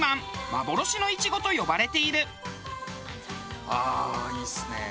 幻のイチゴと呼ばれている。